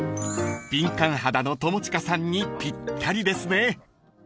［敏感肌の友近さんにぴったりですね］